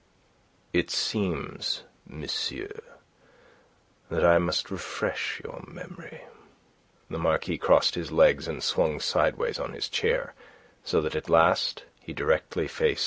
"It seems, monsieur, that I must refresh your memory." The Marquis crossed his legs, and swung sideways on his chair, so that at last he directly faced M.